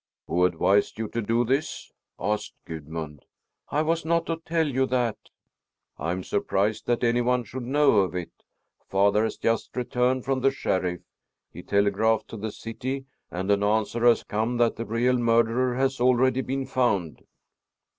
"Who advised you to do this?" asked Gudmund. "I was not to tell you that." "I am surprised that any one should know of it. Father has but just returned from the Sheriff. He telegraphed to the city, and an answer has come that the real murderer has already been found."